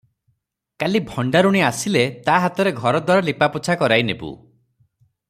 କାଲି ଭଣ୍ଡାରୁଣୀ ଆସିଲେ ତା ହାତରେ ଘରଦ୍ୱାର ଲିପାପୋଛା କରାଇ ନେବୁ ।